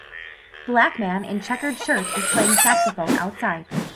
Black man in checkered shirt is playing saxophone outside.